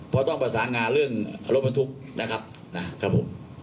เพราะต้องประสาหงาเรื่องรถมันทุกข์นะครับนะครับผม